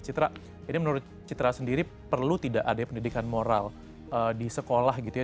jadi menurut citra sendiri perlu tidak adanya pendidikan moral di sekolah gitu ya